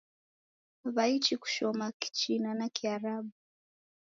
W'aichi kushoma kichina na Kiarabu.